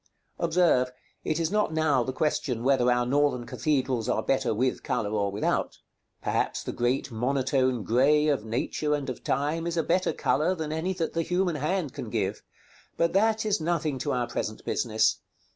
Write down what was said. Observe, it is not now the question whether our Northern cathedrals are better with color or without. Perhaps the great monotone grey of Nature and of Time is a better color than any that the human hand can give; but that is nothing to our present business.